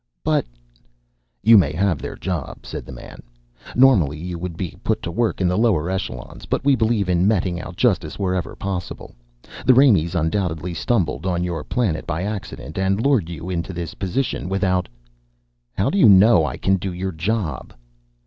"But " "You may have their job," said the man. "Normally, you would be put to work in the lower echelons, but we believe in meting out justice wherever possible. The Raimees undoubtedly stumbled on your planet by accident and lured you into this position without " "How do you know I can do your job?"